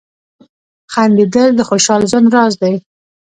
• خندېدل د خوشال ژوند راز دی.